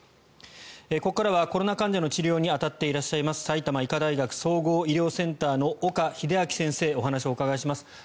ここからはコロナ患者の治療に当たっていらっしゃいます埼玉医科大学総合医療センターの岡秀昭先生にお話をお伺いします。